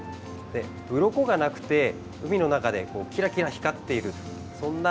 うろこがなくて海の中でキラキラ光っているそんな